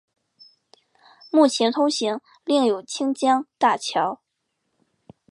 目前通行另有清江大桥。